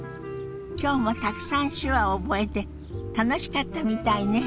今日もたくさん手話を覚えて楽しかったみたいね。